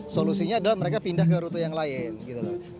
solusinya adalah mereka pindah ke rute yang lain